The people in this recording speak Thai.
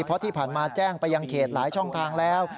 เพราะที่ผ่านมาแจ้งไปยังเขตหลายช่องทางแล้ว